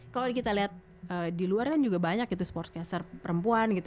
kalau kita lihat di luar kan juga banyak sportscaster perempuan gitu